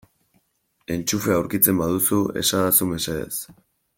Entxufea aurkitzen baduzu esadazu mesedez.